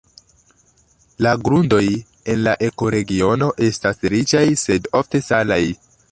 La grundoj en la ekoregiono estas riĉaj, sed ofte salaj.